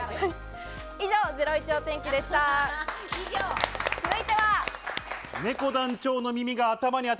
以上、ゼロイチお天気でした。